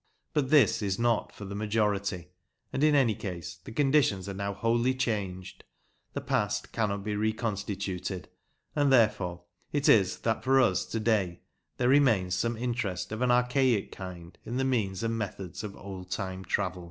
But this is not for the majority, and, in any case, the conditions are now wholly changed the past cannot be reconstituted. And, therefore, it is that for us to day there remains some interest of an archaic kind in the means and methods of old time travel.